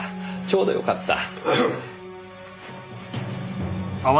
ちょうどよかった。